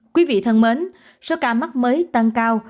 quý vị thân mến số ca mắc mới tăng cao